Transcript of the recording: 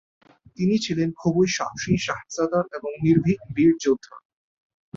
তিনি ছিলেন খুবই সাহসী শাহজাদা এবং নির্ভীক বীর যোদ্ধা।